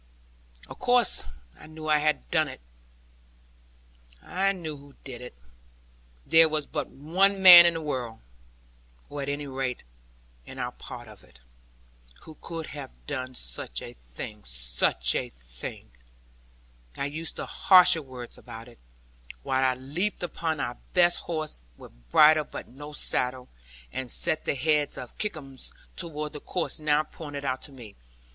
Of course, I knew who had done it. There was but one man in the world, or at any rate, in our part of it, who could have done such a thing such a thing. I use no harsher word about it, while I leaped upon our best horse, with bridle but no saddle, and set the head of Kickums towards the course now pointed out to me.